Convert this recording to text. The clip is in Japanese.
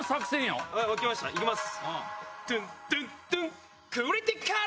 行きます。